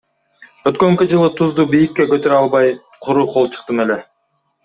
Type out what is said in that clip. Өткөнкү жылы тузду бийикке көтөрө албай, куру кол чыктым эле.